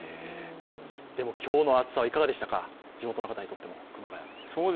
今日の暑さはいかがでしたか、熊谷・地元の方にとっても。